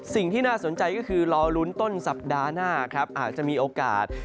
สิ่งที่น่าสนใจก็คือรอลุ้นต้นสัปดาห์หน้าครับอาจจะมีโอกาส